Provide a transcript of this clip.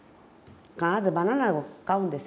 必ずバナナを買うんですよ。